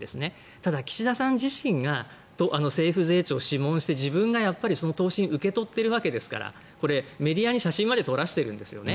ただ、岸田さん自身が政府税調を諮問して自分がやっぱり答申を受け取っているわけですからメディアに写真まで撮らせているんですね。